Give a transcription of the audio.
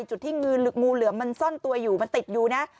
จุดที่งูเหลือมมันซ่อนตัวอยู่มันติดอยู่นะ